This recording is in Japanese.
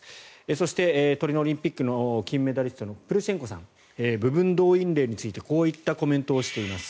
そしてトリノオリンピックの金メダリストのプルシェンコさん部分動員令についてこういったコメントをしています。